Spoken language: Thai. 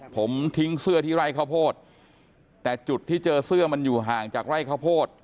ผมทิ้งเสื้อที่ไร่ข้าวโพดแต่จุดที่เจอเสื้อมันอยู่ห่างจากไร่ข้าวโพด